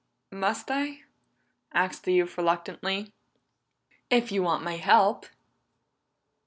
"Must I?" asked the youth reluctantly. "If you want my help."